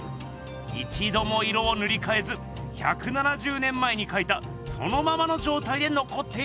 いちども色をぬりかえず１７０年前にかいたそのままの状態でのこっているんです。